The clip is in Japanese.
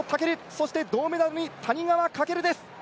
そして、銅メダルに谷川翔です。